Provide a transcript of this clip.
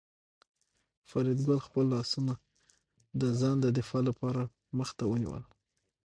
فریدګل خپل لاسونه د ځان د دفاع لپاره مخ ته ونیول